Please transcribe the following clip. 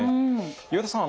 岩田さん